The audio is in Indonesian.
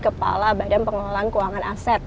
kepala badan pengelolaan keuangan aset